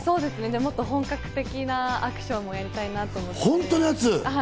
もっと本格的なアクションをやりたいなと思って。